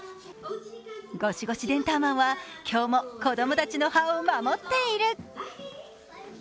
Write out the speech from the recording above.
「ゴシゴシデンターマン」は今日も子供たちの歯を守っている。